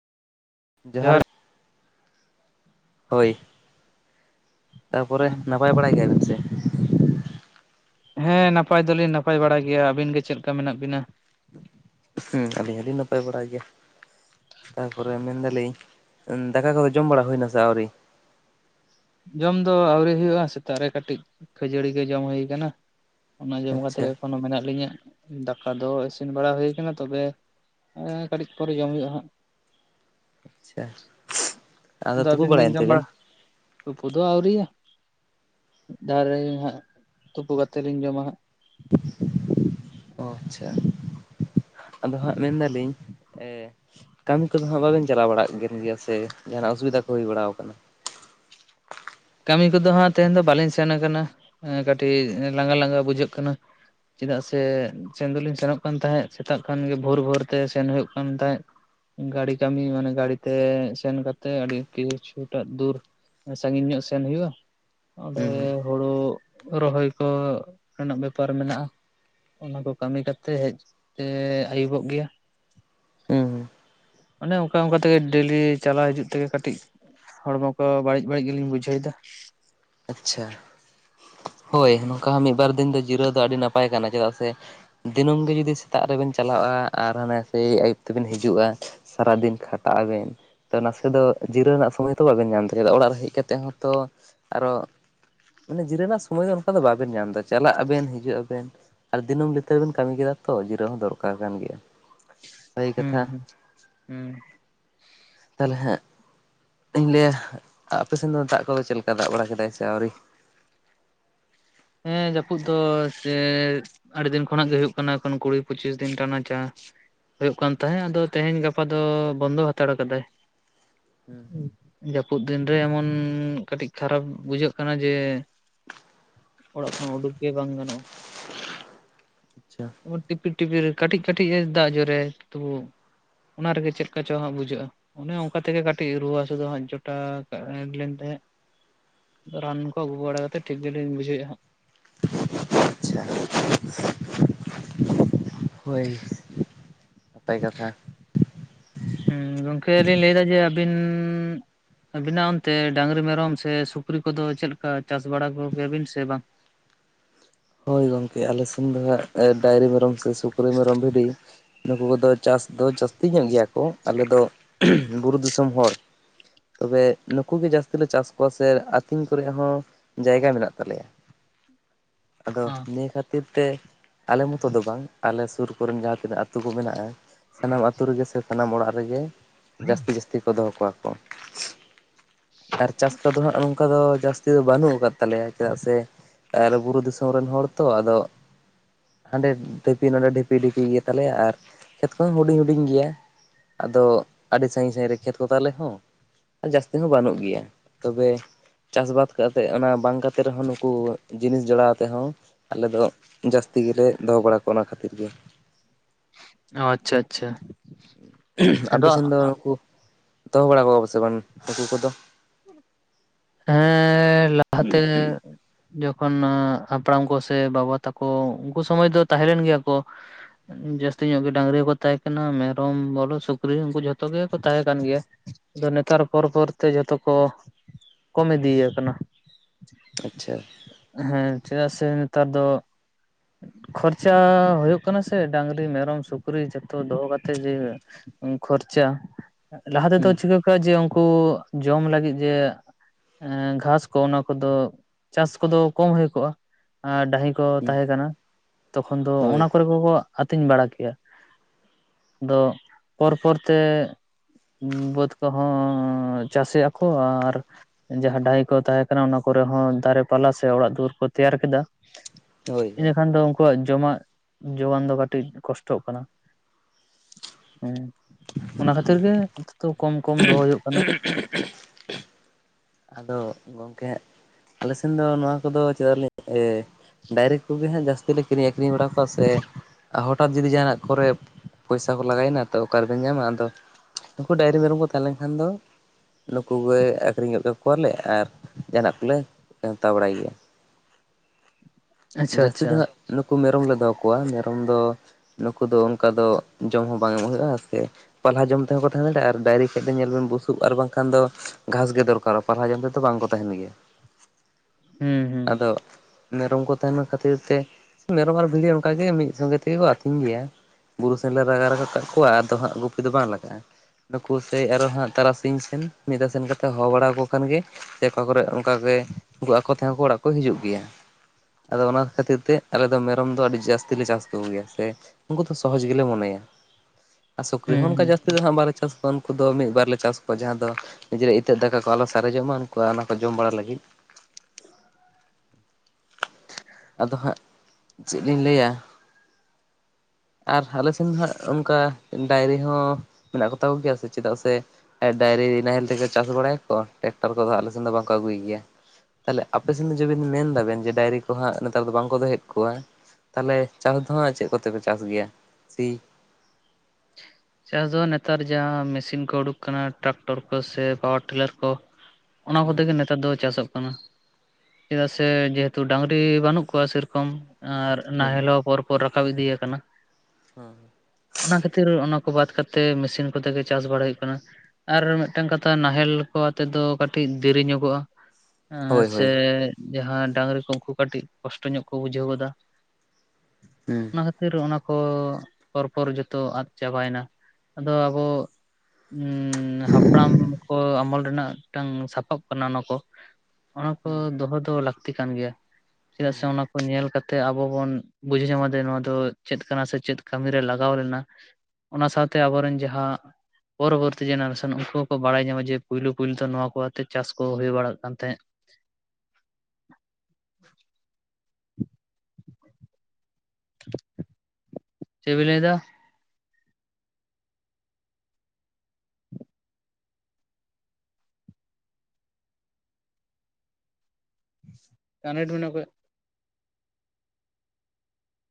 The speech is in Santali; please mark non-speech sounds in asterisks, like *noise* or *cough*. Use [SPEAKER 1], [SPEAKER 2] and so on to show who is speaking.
[SPEAKER 1] ᱡᱚᱦᱟᱨ ᱜᱮ? ᱦᱳᱭ, ᱛᱟᱨᱯᱚᱨᱮ ᱱᱟᱯᱟᱭ ᱵᱟᱲᱟ ᱜᱮᱭᱟᱵᱤᱱ ᱥᱮ?
[SPEAKER 2] ᱦᱮᱸ, ᱱᱟᱯᱟᱭ ᱫᱚᱞᱤᱧ ᱱᱟᱯᱟᱭ ᱵᱟᱲᱟ ᱜᱮᱭᱟ᱾ ᱟᱹᱵᱤᱱ ᱜᱮ ᱪᱮᱫ ᱞᱮᱠᱟ ᱢᱮᱱᱟᱜ ᱵᱤᱱᱟ?
[SPEAKER 1] ᱦᱩᱸ, ᱟᱹᱞᱤᱧ ᱦᱳᱞᱤᱧ ᱱᱟᱯᱟᱭ ᱵᱟᱲᱟ ᱜᱮᱭᱟ᱾ ᱛᱟᱨᱯᱚᱨᱮ ᱢᱮᱱᱫᱟᱞᱤᱧ ᱫᱟᱠᱟ ᱠᱚᱫᱚ ᱡᱚᱢ ᱵᱟᱲᱟ ᱦᱩᱭᱱᱟ ᱥᱮ ᱟᱹᱣᱨᱤ?
[SPEAKER 2] ᱡᱚᱢ ᱫᱚ ᱟᱹᱣᱨᱤ ᱦᱩᱭᱩᱜᱼᱟ᱾ ᱥᱮᱛᱟᱜ ᱨᱮ ᱠᱟᱹᱴᱤᱡ ᱠᱷᱟᱹᱡᱟᱹᱲᱤ ᱜᱮ ᱡᱚᱢ ᱦᱩᱭ ᱠᱟᱱᱟ᱾ ᱚᱱᱟ ᱡᱚᱢ ᱠᱟᱛᱮᱜ
[SPEAKER 1] ᱟᱪᱪᱷᱟ
[SPEAKER 2] ᱮᱠᱷᱚᱱᱳ ᱢᱮᱱᱟᱜ ᱞᱤᱧᱟᱹ᱾ ᱫᱟᱠᱟ ᱫᱚ ᱤᱥᱤᱱ ᱵᱟᱲᱟ ᱦᱩᱭ ᱟᱠᱟᱱᱟ᱾ ᱛᱚᱵᱮ ᱠᱟᱹᱴᱤᱡ ᱯᱚᱨᱮ ᱡᱚᱢ ᱦᱩᱭᱩᱜᱼᱟ, ᱦᱟᱸᱜ ᱾
[SPEAKER 1] ᱟᱪᱪᱷᱟ ᱟᱫᱚ
[SPEAKER 2] ᱫᱚ
[SPEAKER 1] ᱛᱩᱯᱩ
[SPEAKER 2] ᱟᱹᱵᱤᱱ ᱵᱤᱱ
[SPEAKER 1] ᱵᱟᱲᱟᱭᱮᱱ
[SPEAKER 2] ᱡᱚᱢ ᱵᱟᱲᱟ
[SPEAKER 1] ᱛᱮᱵᱮᱱ?
[SPEAKER 2] ᱛᱩᱯᱩ ᱫᱚ ᱟᱹᱣᱨᱤᱭᱟ᱾ ᱢᱤᱫ ᱫᱟᱣ ᱨᱮ ᱦᱟᱸᱜ ᱛᱩᱯᱩ ᱠᱟᱛᱮᱫ ᱞᱤᱧ ᱡᱚᱢᱟ ᱦᱟᱸᱜ᱾
[SPEAKER 1] ᱚ ᱟᱪᱪᱷᱟ ᱟᱫᱚ ᱦᱟᱸᱜ ᱢᱮᱱᱫᱟᱞᱤᱧ ᱠᱟᱹᱢᱤ ᱠᱚᱫᱚ ᱦᱟᱸᱜ ᱵᱟᱵᱮᱱ ᱪᱟᱞᱟᱣ ᱵᱟᱲᱟᱜ ᱠᱟᱱ ᱜᱮᱭᱟ ᱥᱮ ᱡᱟᱦᱟᱱᱟᱜ ᱚᱥᱩᱵᱤᱫᱟ ᱠᱚ ᱦᱩᱭ ᱵᱟᱲᱟᱣ ᱠᱟᱱᱟ?
[SPEAKER 2] ᱠᱟᱹᱢᱤ ᱠᱚᱫᱚ ᱦᱟᱸᱜ ᱛᱮᱦᱮᱧ ᱫᱚ ᱵᱟᱹᱞᱤᱧ ᱥᱮᱱ ᱠᱟᱱᱟ᱾ ᱠᱟᱹᱴᱤᱡ ᱞᱟᱸᱜᱟ ᱞᱟᱸᱜᱟ ᱵᱩᱡᱷᱟᱹᱜ ᱠᱟᱱᱟ᱾ ᱪᱮᱫᱟᱜ ᱥᱮ ᱥᱮᱱ ᱫᱚᱞᱤᱧ ᱥᱮᱱᱚᱜ ᱠᱟᱱ ᱛᱟᱦᱮᱸᱫ, ᱥᱮᱛᱟᱜ ᱠᱷᱟᱱ ᱜᱮ ᱵᱷᱳᱨ ᱵᱷᱳᱨ ᱛᱮ ᱥᱮᱱ ᱦᱩᱭᱩᱜ ᱠᱟᱱ ᱛᱟᱦᱮᱸᱫ᱾ ᱜᱟᱹᱲᱤ ᱠᱟᱹᱢᱤ᱾ ᱢᱟᱱᱮ ᱜᱟᱹᱲᱤ ᱛᱮ ᱥᱮᱱ ᱠᱟᱛᱮ ᱟᱹᱰᱤ ᱠᱤ ᱠᱤᱪᱷᱩᱴᱟ ᱫᱩᱨ ᱥᱟᱺᱜᱤᱧ ᱧᱚᱜ ᱥᱮᱱ ᱦᱩᱭᱩᱜᱼᱟ᱾ ᱚᱸᱰᱮ
[SPEAKER 1] ᱦᱩᱸ
[SPEAKER 2] ᱦᱩᱲᱩ ᱨᱚᱦᱚᱭ ᱠᱚ ᱨᱮᱱᱟᱜ ᱵᱮᱯᱟᱨ ᱢᱮᱱᱟᱜᱼᱟ᱾ ᱚᱱᱟ ᱠᱚ ᱠᱟᱹᱢᱤ ᱠᱟᱛᱮᱜ ᱦᱮᱡ ᱛᱮ ᱟᱹᱭᱩᱵᱚᱜ ᱜᱮᱭᱟ᱾
[SPEAKER 1] ᱦᱩᱸ᱾
[SPEAKER 2] ᱚᱱᱮ ᱚᱱᱠᱟ ᱚᱱᱠᱟ ᱛᱮᱜᱮ ᱰᱮᱞᱤ ᱪᱟᱞᱟᱣ ᱦᱤᱡᱩᱜ ᱛᱮᱜᱮ ᱠᱟᱹᱴᱤᱡ ᱦᱚᱲᱢᱚ ᱠᱚ ᱵᱟᱹᱲᱤᱡ ᱵᱟᱹᱲᱤᱡ ᱜᱮᱞᱤᱧ ᱵᱩᱡᱷᱟᱹᱣ ᱮᱫᱟ᱾
[SPEAKER 1] ᱟᱪᱪᱷᱟ ᱦᱳᱭ, ᱱᱚᱝᱠᱟ ᱦᱚᱸ ᱢᱤᱫ ᱵᱟᱨ ᱫᱤᱱ ᱫᱚ ᱡᱤᱨᱟᱹᱣ ᱫᱚ ᱟᱹᱰᱤ ᱱᱟᱯᱟᱭ ᱠᱟᱱᱟ ᱪᱮᱫᱟᱜ ᱥᱮ ᱫᱤᱱᱟᱹᱢ ᱜᱮ ᱡᱩᱫᱤ ᱥᱮᱛᱟᱜ ᱨᱮᱵᱮᱱ ᱪᱟᱞᱟᱜᱼᱟ ᱟᱨ ᱦᱟᱱᱮ ᱥᱮᱭ ᱟᱹᱭᱩᱵᱽ ᱛᱮᱵᱮᱱ ᱦᱤᱡᱩᱜᱼᱟ᱾ ᱥᱟᱨᱟ ᱫᱤᱱ ᱠᱷᱟᱴᱟᱜ ᱟᱵᱮᱱ᱾ ᱛᱚ ᱱᱟᱥᱮ ᱫᱚ ᱡᱤᱨᱟᱹ ᱨᱮᱱᱟᱜ ᱥᱚᱢᱚᱭ ᱛᱚ ᱵᱟᱵᱮᱱ ᱧᱟᱢ ᱫᱟᱲᱮ ᱪᱚ ᱚᱲᱟᱜ ᱨᱮ ᱦᱮᱡ ᱠᱟᱛᱮᱫ ᱦᱚᱸᱛᱚ, ᱟᱨᱚ ᱢᱟᱱᱮ ᱡᱤᱨᱟᱹᱜ ᱨᱮᱭᱟᱜ ᱥᱚᱢᱚᱭ ᱫᱚ ᱚᱱᱠᱟ ᱫᱚ ᱵᱟᱵᱮᱱ ᱧᱟᱢ ᱮᱫᱟ, ᱪᱟᱞᱟᱜ ᱟᱵᱮᱱ ᱦᱤᱡᱩᱜ ᱟᱵᱮᱱ ᱟᱨ ᱫᱤᱱᱟᱹᱢ ᱞᱤᱛᱟᱹᱨ ᱵᱮᱱ ᱠᱟᱹᱢᱤ ᱠᱮᱫᱟ ᱛᱚ᱾ ᱡᱤᱨᱟᱹ ᱦᱚᱸ ᱫᱚᱨᱠᱟᱨ ᱠᱟᱱ ᱜᱮᱭᱟ᱾ ᱵᱷᱟᱹᱜᱤ
[SPEAKER 2] ᱦᱩᱸ
[SPEAKER 1] ᱠᱟᱛᱷᱟ᱾
[SPEAKER 2] ᱦᱩᱸ ᱦᱩᱸ
[SPEAKER 1] ᱛᱟᱦᱞᱮ ᱦᱮᱜ ᱤᱧ ᱞᱟᱹᱭᱟ ᱟᱯᱮ ᱥᱮᱱ ᱫᱚ ᱫᱟᱜ ᱠᱚᱫᱚ ᱪᱮᱫ ᱞᱮᱠᱟ ᱫᱟᱜ ᱵᱟᱲᱟ ᱠᱮᱫᱟᱭ ᱥᱮ ᱥᱮ ᱟᱹᱣᱨᱤ᱾
[SPEAKER 2] ᱦᱮᱸ ᱡᱟᱹᱯᱩᱫ ᱫᱚ ᱥᱮ ᱟᱹᱰᱤ ᱫᱤᱱ ᱠᱷᱚᱱᱟᱜ ᱜᱮ ᱦᱳᱭᱳᱜ ᱠᱟᱱᱟ, ᱮ ᱠᱩᱲᱤ ᱯᱩᱪᱤᱥ ᱫᱤᱱ ᱴᱟᱱᱟ ᱡᱟ ᱦᱚᱭᱚᱜ ᱠᱟᱱ ᱛᱟᱦᱮᱸᱫ ᱟᱫᱚ ᱛᱮᱦᱮᱧ ᱜᱟᱯᱟ ᱫᱚ ᱵᱚᱱᱫᱚ ᱦᱟᱛᱟᱲ ᱠᱟᱫᱟᱭ
[SPEAKER 1] ᱦᱩ
[SPEAKER 2] ᱡᱟᱹᱯᱩᱫ ᱫᱤᱱ ᱨᱮ ᱮᱢᱚᱱ ᱠᱟᱹᱴᱤᱡ ᱠᱷᱟᱨᱟᱯ ᱵᱩᱡᱷᱟᱹᱜ ᱠᱟᱱᱟ ᱡᱮ ᱚᱲᱟᱜ ᱠᱷᱚᱱ ᱩᱰᱩᱠ ᱜᱮ ᱵᱟᱝ ᱜᱟᱱᱚᱜᱼᱟ
[SPEAKER 1] ᱟᱪᱪᱷᱟ
[SPEAKER 2] ᱦᱚᱜ ᱴᱤᱯᱤᱨ ᱴᱤᱯᱤᱨ ᱮ ᱠᱟᱹᱴᱤᱡ ᱠᱟᱹᱴᱤᱡ ᱮ ᱫᱟᱜ ᱡᱨᱮ ᱛᱚᱵᱩ ᱚ ᱚᱱᱟ ᱨᱮᱜᱮ ᱪᱮᱫ ᱠᱟ ᱪᱚ ᱦᱟᱸᱜ ᱵᱩᱡᱟᱹᱜᱼᱟ ᱚᱱᱮ ᱚᱱᱠᱟ ᱛᱮᱜᱮ ᱠᱟᱹᱴᱤᱡ ᱨᱩᱣᱟᱹ ᱦᱟᱹᱥᱩ ᱫᱚ ᱦᱟᱸᱜ ᱡᱚᱴᱟ ᱞᱮᱱ ᱛᱟᱦᱮᱸᱫ ᱨᱟᱱ ᱠᱚ ᱟᱹᱜᱩ ᱵᱟᱲᱟ ᱠᱟ ᱠᱟᱛᱮ ᱴᱷᱤᱠ ᱜᱮᱞᱤᱧ ᱵᱩᱡᱷᱟᱹᱣᱮᱫ ᱦᱟᱸᱜ
[SPEAKER 1] ᱟᱪᱪᱷᱟ ᱦᱚᱭᱥ ᱱᱟᱯᱟᱭ ᱠᱟᱛᱷᱟ
[SPEAKER 2] ᱦᱩᱸ ᱜᱚᱝᱠᱮ ᱞᱤᱧ ᱞᱟᱹᱭ ᱫᱟ ᱡᱮ ᱟᱹᱵᱤᱱ ᱟᱵᱤᱱᱟᱜ ᱚᱱᱛᱮ ᱰᱟᱝᱨᱤ ᱢᱮᱨᱚᱢ ᱥᱮ ᱥᱩᱠᱨᱤ ᱠᱚᱫᱚ ᱪᱮᱫ ᱞᱠᱟ ᱪᱟᱥ ᱵᱟᱲᱟ ᱠᱚᱜᱮ ᱭᱟᱵᱤᱱ ᱥᱮ ᱵᱟᱝ *inaudible*
[SPEAKER 1] ᱦᱳᱭ ᱜᱚᱝᱠᱮ ᱟᱞᱮ ᱥᱮᱱ ᱫᱚ ᱦᱟᱸᱜ ᱰᱟᱨᱤ ᱢᱮᱨᱚᱢ ᱥᱮ ᱥᱩᱠᱨᱤ ᱢᱮᱨᱚᱢ ᱵᱷᱤᱰᱤ ᱱᱩᱠᱩ ᱠᱚᱫᱚ ᱪᱟᱥ ᱫᱚ ᱡᱟᱹᱥᱛᱤ ᱧᱚᱜ ᱜᱮᱭᱟ ᱠᱚ ᱟᱞᱮ ᱫᱚ ᱵᱩᱨᱩ ᱫᱤᱥᱚᱢ ᱦᱚᱲ ᱛᱚᱵᱮ ᱱᱩᱠᱩ ᱜᱮ ᱡᱟᱥᱛᱤ ᱞᱮ ᱪᱟᱥ ᱠᱚᱣᱟ ᱥᱮ ᱟᱛᱤᱧ ᱠᱚᱨᱮ ᱦᱚᱸ ᱡᱟᱭᱜᱟ ᱢᱮᱱᱟᱜ ᱛᱟᱞᱮᱭᱟ ᱟᱫᱚ
[SPEAKER 2] ᱚ
[SPEAKER 1] ᱱᱤᱭᱟᱹ ᱠᱷᱟᱹᱛᱤᱨ ᱛᱮ ᱟᱞᱮ ᱢᱚᱛᱚ ᱫᱚ ᱵᱟᱝ ᱟᱞᱮ ᱥᱩᱨ ᱠᱚᱨᱮᱱ ᱡᱟᱦᱟᱸ ᱛᱤᱱᱟᱹᱜ ᱟᱹᱛᱩ ᱠᱚ ᱢᱮᱱᱟᱜᱼᱟ ᱥᱟᱱᱟᱢ ᱟᱛᱳ ᱨᱮᱜᱮ ᱥᱮ ᱥᱟᱱᱟᱢ ᱚᱲᱟᱜ ᱨᱮᱜᱮ ᱡᱟᱥᱛᱤ ᱡᱟᱥᱛᱤ ᱠᱚ ᱫᱚᱦᱚ ᱠᱚᱣᱟ ᱠᱚ ᱟᱨ ᱪᱟᱥ ᱠᱚᱫᱚ ᱦᱟᱸᱜ ᱱᱚᱝᱠᱟ ᱫᱚ ᱡᱟᱹᱥ ᱞᱛᱤ *unintelligible* ᱫᱚ ᱵᱟᱱᱩᱜ ᱟᱠᱟᱫ ᱛᱟᱞᱮᱭᱟ ᱪᱮᱫᱟᱜ ᱥᱮ ᱟᱨ ᱵᱩᱨᱩ ᱫᱤᱥᱚᱢ ᱨᱮᱱ ᱦᱚᱲ ᱛᱚ ᱟᱫᱚ ᱦᱟᱸᱰᱮ ᱰᱷᱤᱯᱤ ᱱᱚᱰᱮ ᱰᱷᱤᱤᱯᱤ ᱰᱷᱤᱯᱤ ᱜᱮ ᱛᱟᱞᱮᱭᱟ ᱟᱨ ᱠᱷᱮᱛ ᱠᱚᱦᱚᱸ ᱦᱩᱰᱤᱧ ᱦᱩᱰᱤᱧ ᱜᱮᱭᱟ ᱟᱫᱚ ᱟᱰᱤ ᱥᱟᱺᱜᱤᱧ ᱥᱟᱺᱜᱤᱧ ᱨᱮ ᱠᱷᱮᱛ ᱠᱚ ᱛᱟᱞᱮ ᱦᱚᱸ ᱡᱟᱥᱛᱤ ᱦᱚᱸ ᱵᱟᱱᱩᱜ ᱜᱮᱭᱟ ᱛᱚᱵᱮ ᱪᱟᱥ ᱵᱟᱫ ᱠᱟᱛᱮᱜ ᱚᱱᱟ ᱵᱟᱝ ᱠᱟᱛᱮᱜ ᱨᱮᱦᱚᱸ ᱱᱩᱠᱩ ᱡᱤᱱᱤᱥ ᱡᱚᱲᱟᱣ ᱛᱮᱦᱚᱸ ᱟᱞᱮᱫ ᱫᱚ ᱡᱟᱥᱛᱤ ᱜᱮᱞᱮ ᱫᱚᱦᱚ ᱵᱟᱲᱟ ᱠᱚᱣᱟ ᱚᱱᱟ ᱠᱷᱟᱛᱤᱨ ᱜᱮ
[SPEAKER 2] ᱟᱪᱪᱷᱟ ᱟᱪᱪᱷᱟ
[SPEAKER 1] ᱟᱯᱮ
[SPEAKER 2] ᱟᱫᱚ
[SPEAKER 1] ᱥᱮᱱ ᱫᱚ ᱱᱩᱠᱩ ᱫᱚᱦᱚ ᱵᱟᱲᱟ ᱠᱚᱣᱟ ᱯᱮ ᱥᱮ ᱵᱟᱝ ᱱᱠᱩ ᱠᱚᱫᱚ
[SPEAKER 2] ᱦᱮᱸ ᱞᱟᱦᱟ ᱛᱮ ᱡᱚᱠᱷᱚᱱ ᱦᱟᱯᱲᱟᱢ ᱠᱚ ᱥᱮ ᱵᱟᱵᱟ ᱛᱟᱠᱚ ᱩᱱᱠᱩ ᱥᱚᱢᱚᱭ ᱫᱚ ᱛᱟᱦᱮᱸ ᱞᱮᱱ ᱜᱮᱭᱟ ᱠᱚ ᱡᱟᱹᱥᱛᱤ ᱧᱚᱜ ᱜᱮ ᱰᱟᱝᱨᱤ ᱦᱚᱸᱠᱚ ᱛᱟᱦᱮᱸ ᱠᱟᱱᱟ ᱢᱮᱨᱚᱢ ᱵᱚᱞᱚ ᱥᱩᱠᱨᱤ ᱩᱱᱠᱩ ᱡᱷᱚᱛᱚ ᱜᱮᱠᱚ ᱛᱟᱦᱮᱸ ᱠᱟᱱ ᱜᱮᱭᱟ ᱟᱫᱚ ᱱᱮᱛᱟᱨ ᱯᱚᱨ ᱯᱚᱨ ᱛᱮ ᱡᱚᱛᱚ ᱠᱚ ᱠᱚᱢ ᱤᱫᱤᱭ ᱟᱠᱟᱱᱟ
[SPEAKER 1] ᱟᱪᱷᱟ
[SPEAKER 2] ᱦᱮᱸ ᱪᱮᱫᱟᱜ ᱥᱮ ᱱᱮᱛᱟᱨ ᱫᱚ ᱠᱷᱚᱨᱪᱟ ᱦᱚᱭᱚᱜ ᱠᱟᱱᱟ ᱥᱮ ᱰᱟᱝᱨᱤ ᱢᱮᱨᱚᱢ ᱥᱩᱠᱨᱤ ᱡᱷᱚᱛᱚ ᱫᱚᱦᱚ ᱠᱟᱛᱮ ᱡᱮᱭ ᱚᱭᱚᱜᱼᱟ ᱠᱷᱚᱨᱪᱟ ᱞᱟᱦᱟ ᱛᱮᱫᱚ
[SPEAKER 1] ᱦᱩᱸ
[SPEAKER 2] ᱪᱤᱠᱟ ᱠᱟᱜ ᱡᱮ ᱩᱱᱠᱩ ᱡᱚᱢ ᱞᱟᱜᱤᱫ ᱡᱮ ᱜᱷᱟᱥ ᱠᱚ ᱚᱱᱟ ᱠᱚᱫᱚ ᱪᱟᱥ ᱠᱚᱫᱚ ᱠᱚᱢ ᱦᱩᱭ ᱠᱚᱜᱼᱟ ᱟᱨ ᱰᱟᱦᱤ ᱠᱚ
[SPEAKER 1] ᱦᱩᱸ
[SPEAKER 2] ᱛᱟᱦᱮᱸ ᱠᱟᱱᱟ ᱛᱚᱠᱷᱚᱱ ᱫᱚ
[SPEAKER 1] ᱦᱳᱭ
[SPEAKER 2] ᱚᱱᱟ ᱠᱚᱨᱮ ᱠᱚ ᱠᱚ ᱟᱛᱤᱧ ᱵᱟᱲᱟ ᱠᱮᱭᱟ ᱫᱚ ᱯᱚᱨ ᱯᱚᱨ ᱛᱮ ᱵᱟᱹᱫᱽ ᱠᱚᱦᱚᱸ ᱪᱟᱥᱮᱜ ᱟᱠᱚ ᱟᱨ ᱡᱟᱦᱟᱸ ᱰᱟᱦᱤ ᱠᱚ ᱛᱟᱦᱮᱸ ᱠᱟᱱᱟ ᱚᱱᱟ ᱠᱚᱨᱮ ᱦᱚ ᱫᱟᱨᱮ ᱯᱟᱞᱟ ᱥᱮ ᱚᱲᱟᱜ ᱫᱩᱣᱟᱹᱨ ᱠᱚ ᱛᱮᱭᱟᱨ ᱠᱮᱫᱟ
[SPEAKER 1] ᱦᱳᱭ ᱦᱳᱭ
[SPEAKER 2] ᱤᱱᱟᱹᱠᱷᱟᱱ ᱫᱚ ᱩᱱᱠᱩᱣᱟᱜ ᱡᱚᱢᱟᱜ ᱡᱩᱶᱟᱱ ᱫᱚ ᱠᱟᱹᱴᱤᱡ ᱠᱚᱥᱴᱚᱜ ᱠᱟᱱᱟ ᱦᱩᱸ ᱚᱱᱟ ᱠᱷᱟᱛᱤᱨ ᱜᱮ ᱠᱚᱢ ᱠᱚᱢ ᱫᱚᱦᱚ ᱦᱩᱭᱩᱜ ᱠᱟᱱᱟ
[SPEAKER 1] ᱟᱫᱚ ᱜᱚᱝᱠᱮ ᱟᱞᱮ ᱥᱮᱱ ᱫᱚ ᱱᱚᱣᱟ ᱠᱚᱫᱚ ᱪᱮᱫᱟᱜ ᱞᱤᱧ ᱰᱟᱭᱨᱤ ᱠᱚᱜᱮ ᱦᱟᱸᱜ ᱡᱟᱥᱛᱤ ᱞᱮ ᱠᱤᱨᱤᱧ ᱟᱠᱷᱨᱤᱧ ᱵᱟᱲᱟ ᱠᱚᱣᱟ ᱥᱮ ᱦᱚᱴᱟᱛ ᱡᱩᱫᱤ ᱡᱟᱦᱟ ᱱᱟᱜ ᱠᱚ ᱨᱮ ᱯᱚᱭᱥᱟ ᱠᱚ ᱞᱟᱜᱟ ᱭᱮᱱᱟ ᱛᱚ ᱚᱠᱟ ᱨᱵᱮᱱ ᱧᱟᱢᱟ ᱟᱫᱚ ᱩᱱᱠᱩ ᱰᱟᱭᱨᱤ ᱢᱮᱨᱚᱢ ᱠᱚ ᱛᱟᱦᱮᱸ ᱞᱮᱱ ᱠᱷᱟᱱ ᱫᱚ ᱱᱩᱠᱩ ᱜᱮ ᱟᱠᱷᱨᱤᱧ ᱜᱚᱜ ᱠᱟᱠᱚ ᱣᱟᱞᱮ ᱟᱨ ᱡᱟᱦᱟ ᱱᱟᱜ ᱠᱚᱞᱮ ᱦᱟᱛᱟᱣ ᱵᱟᱲᱟᱭ ᱜᱮᱭᱟ
[SPEAKER 2] ᱟᱪᱪᱷᱟ
[SPEAKER 1] ᱡᱟᱥᱛᱤ
[SPEAKER 2] ᱟᱪᱪᱷᱟ
[SPEAKER 1] ᱫᱚ ᱦᱟᱸᱜ ᱱᱩᱠᱩ ᱢᱮᱨᱚᱢ ᱞᱮ ᱫᱚᱦᱚ ᱠᱚᱣᱟ ᱢᱮᱨᱚᱢ ᱫᱚ ᱱᱩᱠᱩ ᱫᱚ ᱚᱱᱠᱟ ᱫᱚ ᱡᱚᱢ ᱦᱚᱸ ᱵᱟᱝ ᱮᱢᱚᱜ ᱦᱩᱭᱩᱜᱼᱟ ᱥᱮ ᱯᱟᱞᱦᱟ ᱡᱚᱢ ᱛᱮᱦᱚᱸ ᱠᱚ ᱛᱟᱦᱮᱸ ᱫᱟᱲᱮᱭᱟᱜᱼᱟ ᱟᱨ ᱰᱟᱝᱨᱤ ᱠᱷᱟᱱ ᱫᱚ ᱧᱮᱞ ᱵᱮᱱ ᱵᱩᱥᱩᱵ ᱟᱨ ᱵᱟᱝᱠᱷᱟᱱ ᱫᱚ ᱜᱷᱟᱥ ᱜᱮ ᱫᱚᱨᱠᱟᱨᱚᱜ *inaudible* ᱛᱮᱫᱚ ᱵᱟᱝᱠᱚ ᱛᱟᱦᱮᱱ ᱜᱮᱭᱟ
[SPEAKER 2] ᱦᱩᱸ ᱦᱩᱸ
[SPEAKER 1] ᱟᱫᱚ ᱢᱮᱨᱚᱢ ᱠᱚ *inaudible* ᱠᱷᱟᱹᱛᱤᱨ ᱛᱮ ᱢᱮᱨᱚᱢ ᱟᱨ ᱵᱷᱤᱲᱤ ᱚᱱᱠᱟ ᱜᱮ ᱢᱤᱫ ᱥᱚᱸᱜᱮ ᱛᱮᱜᱮ ᱠᱚ ᱟᱹᱛᱤᱧ ᱜᱮᱭᱟ᱾ ᱵᱩᱨᱩ ᱥᱮᱫ ᱞᱮ ᱞᱟᱜᱟ ᱨᱟᱠᱟᱵ ᱠᱟᱫ ᱠᱚᱣᱟ ᱟᱫᱚ ᱦᱟᱸᱜ ᱜᱩᱯᱤ ᱫᱚ ᱵᱟᱝ ᱞᱟᱜᱟᱜᱼᱟ᱾ ᱱᱩᱠᱩ ᱥᱮᱡ ᱟᱨᱚ ᱦᱟᱸᱜ ᱛᱟᱨᱟᱥᱤᱧ ᱥᱮᱱ ᱢᱤᱫ ᱫᱷᱟᱣ ᱥᱮᱱ ᱠᱟᱛᱮᱮᱫ ᱦᱚᱦᱚᱸ ᱵᱟᱲᱟᱠᱚ ᱠᱟᱱ ᱜᱮ ᱥᱮ ᱚᱠᱟ ᱠᱚᱨᱮ ᱚᱱᱠᱟᱜ ᱜᱮ ᱩᱱᱠᱩ ᱟᱠᱚ ᱛᱮᱦᱚᱸ ᱠᱚ ᱚᱲᱟᱜ ᱠᱚ ᱦᱤᱡᱩᱜ ᱜᱮᱭᱟ᱾ ᱟᱫᱚ ᱚᱱᱟ ᱠᱷᱟᱹᱛᱤᱨ ᱛᱮ ᱟᱞᱮ ᱫᱚ ᱢᱮᱨᱚᱢ ᱫᱚ ᱟᱹᱰᱤ ᱡᱟᱹᱥᱛᱤ ᱞᱮ ᱪᱟᱥ ᱠᱚ ᱜᱮᱭᱟ ᱥᱮ᱾ ᱩᱱᱠᱩ ᱫᱚ ᱥᱚᱦᱚᱡ ᱜᱮᱞᱮ ᱢᱚᱱᱮᱭᱟ ᱾
[SPEAKER 2] *unintelligible*
[SPEAKER 1] ᱟᱨ ᱥᱩᱠᱨᱤ ᱦᱚᱸ ᱚᱱᱠᱟ
[SPEAKER 2] ᱦᱩᱸ
[SPEAKER 1] ᱡᱟᱹᱥᱛᱤ ᱫᱚ ᱵᱟᱞᱮ ᱪᱟᱥ ᱠᱚᱣᱟ ᱩᱱᱠᱩ ᱫᱚ ᱢᱤᱫ ᱵᱟᱨ ᱞᱮ ᱪᱟᱥ ᱠᱚᱣᱟ ᱡᱟᱦᱟᱸ ᱫᱚ ᱱᱤᱡᱮᱨᱟ ᱤᱛᱟᱹᱜ ᱫᱟᱠᱟ ᱠᱚ ᱟᱞᱚ ᱥᱟᱨᱮᱡᱚᱜ ᱢᱟ ᱩᱱᱠᱩᱣᱟᱜ ᱚᱱᱟ ᱠᱚ ᱡᱚᱢ ᱵᱟᱲᱟ ᱞᱟᱹᱜᱤᱫ᱾
[SPEAKER 2] *unintelligible*
[SPEAKER 1] ᱟᱫᱚ ᱦᱟᱸᱜ ᱪᱮᱫ ᱞᱤᱧ ᱞᱟᱹᱭᱟ,
[SPEAKER 2] *unintelligible*
[SPEAKER 1] ᱟᱨ ᱟᱞᱮ ᱥᱮᱱ ᱫᱚ ᱦᱟᱸᱜ ᱚᱱᱠᱟ ᱰᱟᱝᱨᱤ ᱦᱚᱸ ᱢᱮᱱᱟᱜ ᱠᱚᱛᱟ ᱠᱚ ᱜᱮᱭᱟ ᱥᱮ ᱪᱮᱫᱟᱜ ᱥᱮ ᱰᱟᱝᱨᱤ ᱱᱟᱦᱮᱞ ᱛᱮᱠᱚ ᱪᱟᱥ ᱵᱟᱲᱟᱭ ᱟᱠᱚ ᱴᱮᱠᱴᱟᱨ ᱠᱚᱫᱚ ᱟᱞᱮ ᱥᱮᱱ ᱫᱚ ᱵᱟᱝ ᱠᱚ ᱟᱹᱜᱩᱭ ᱜᱮᱭᱟ ᱾ ᱛᱟᱦᱚᱞᱮ ᱟᱯᱮ ᱥᱮᱱ ᱡᱤᱵᱮᱱ ᱢᱮᱱ ᱮᱫᱟᱵᱮᱱ ᱡᱮ ᱰᱟᱝᱨᱤ ᱠᱚ ᱦᱟᱸᱜ ᱱᱮᱛᱟᱨ ᱫᱚ ᱵᱟᱝ ᱠᱚ ᱫᱚᱦᱚᱭᱮᱫ ᱠᱚᱜᱣᱟ ᱛᱟᱦᱚᱞᱮ ᱪᱟᱥ ᱫᱚ ᱦᱟᱸᱜ ᱪᱮᱫ ᱠᱚᱛᱮ ᱯᱮ ᱪᱟᱥ ᱜᱮᱭᱟ ᱥᱤ?
[SPEAKER 2] *unintelligible* ᱪᱟᱥ ᱫᱚ ᱱᱮᱛᱟᱨ ᱡᱟᱦᱟᱸ ᱢᱮᱥᱤᱱ ᱠᱚ ᱩᱰᱩᱠ ᱠᱟᱱᱟ ᱴᱟᱠᱴᱚᱨ ᱠᱚ ᱥᱮ ᱯᱟᱣᱟᱨ ᱴᱤᱞᱟᱨ ᱠᱚ ᱚᱱᱟ ᱠᱚᱛᱮ ᱜᱮ
[SPEAKER 1] ᱦᱩᱸ
[SPEAKER 2] ᱱᱮᱛᱟᱨ ᱫᱚ ᱪᱟᱥᱚᱜ ᱠᱟᱱᱟ᱾ ᱪᱮᱫᱟᱜ ᱥᱮ ᱡᱮᱦᱮᱛᱩ ᱰᱟᱝᱨᱤ ᱵᱟᱹᱱᱩᱜ ᱠᱚᱣᱟ ᱥᱮᱨᱚᱠᱚᱢ ᱟᱨ ᱱᱟᱦᱮᱞ ᱦᱚ ᱯᱚᱨ ᱠᱚ ᱨᱟᱠᱟᱵ ᱤᱫᱤ ᱟᱠᱟᱱᱟ᱾
[SPEAKER 1] *inaudible*
[SPEAKER 2] ᱚᱱᱟ ᱠᱷᱟᱹᱛᱤᱨ ᱚᱱᱟ ᱠᱚ ᱵᱟᱫ ᱠᱟᱛᱮᱮᱫ ᱢᱮᱥᱤᱱ ᱠᱚᱛᱮ ᱜᱮ ᱪᱟᱥ ᱵᱟᱲᱟ ᱦᱩᱭᱩᱜ ᱠᱟᱱᱟ᱾ ᱟᱨ ᱢᱤᱫᱴᱟᱝ ᱠᱟᱛᱷᱟ ᱱᱟᱦᱮᱞ ᱠᱚ ᱟᱛᱮ ᱫᱚ ᱠᱟᱹᱴᱤᱡ ᱫᱮᱨᱤ ᱧᱚᱜᱚᱜᱼᱟ,
[SPEAKER 1] ᱦᱳᱭ
[SPEAKER 2] ᱥᱮ
[SPEAKER 1] ᱦᱳᱭ
[SPEAKER 2] ᱡᱟᱦᱟᱸ ᱰᱟᱝᱨᱤ ᱠᱚ ᱩᱱᱠᱩ ᱠᱟᱹᱴᱤᱡ ᱠᱚᱥᱴᱚ ᱧᱚᱜ ᱠᱚ ᱵᱩᱡᱷᱟᱹᱣ ᱜᱚᱫᱟ ᱾
[SPEAKER 1] ᱦᱮᱸ
[SPEAKER 2] ᱚᱱᱟ ᱠᱷᱟᱹᱛᱤᱨ ᱚᱱᱟ ᱠᱚ ᱯᱚᱨᱯᱚᱨ ᱡᱚᱛᱚ ᱟᱫ ᱪᱟᱵᱟᱭᱮᱱᱟ ᱟᱫᱚ ᱟᱵᱚ ᱩᱸ ᱦᱟᱯᱲᱟᱢ ᱠᱚ ᱟᱢᱚᱞ ᱨᱮᱱᱟᱜ ᱢᱤᱫᱴᱟᱝ ᱥᱟᱯᱟᱵ ᱠᱟᱱᱟ ᱚᱱᱟ ᱠᱚ᱾ ᱚᱱᱟ ᱠᱚ
[SPEAKER 1] ᱦᱩᱸ
[SPEAKER 2] ᱫᱚᱦᱚ ᱫᱚ ᱞᱟᱹᱠᱛᱤ ᱠᱟᱱ ᱜᱮᱭᱟ,
[SPEAKER 1] ᱦᱩᱸ
[SPEAKER 2] ᱪᱮᱫᱟᱜ ᱥᱮ ᱚᱱᱟ ᱧᱮᱞ ᱠᱟᱛᱮᱜ ᱟᱵᱚ ᱵᱚᱱ ᱵᱩᱡᱷᱟᱹᱣ ᱧᱟᱢᱟ ᱡᱮ ᱱᱚᱣᱟ ᱫᱚ ᱪᱮᱫ ᱠᱟᱱᱟ ᱥᱮ ᱪᱮᱫ ᱠᱟᱹᱢᱤᱨᱮ ᱞᱟᱜᱟᱣ ᱞᱮᱱᱟ ᱾ ᱚᱱᱟ ᱥᱟᱶᱛᱮ ᱟᱵᱚᱨᱮᱱ ᱡᱟᱦᱟᱸ ᱯᱚᱨᱚᱵᱚᱨᱛᱤ ᱡᱮᱱᱟᱨᱮᱥᱚᱱ ᱩᱱᱠᱩ ᱦᱚᱸᱠᱚ ᱵᱟᱲᱟᱭ ᱧᱟᱢᱟ ᱡᱮ ᱯᱩᱭᱞᱩ ᱯᱩᱭᱞᱩ ᱱᱚᱣᱟ ᱠᱚ ᱟᱛᱮ ᱪᱟᱥ ᱠᱚ ᱦᱩᱭ ᱵᱟᱲᱟᱜ ᱠᱟᱱ ᱛᱟᱦᱮᱸᱫ᱾ *unintelligible* ᱪᱮᱫ ᱵᱤᱱ ᱞᱟᱹᱭ ᱮᱫᱟ? *inaudible*